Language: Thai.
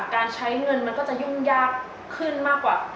การใช้เงินมันก็จะยุ่งยากขึ้นมากกว่า